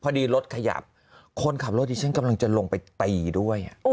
พอดีรถขยับคนขับรถที่ฉันกำลังจะลงไปตีด้วย